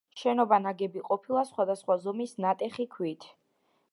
შენობა ნაგები ყოფილა სხვადასხვა ზომის ნატეხი ქვით.